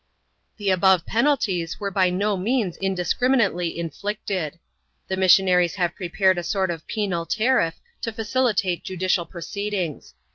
The above penalties were by no means indiscriminately in flicted. The missionaries have prepared a sort of penal tariff to facilitate judicial proceedings.